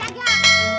ini juga gara gara saja